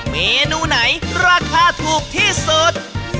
เมนูไหนราคาถูกที่สุด